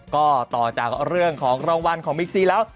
ก็ต่อจากเรื่องของรางวัลของบิ๊กซีแล้ว